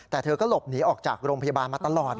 แต่เธอก็หลบหนีออกจากโรงพยาบาลมาตลอด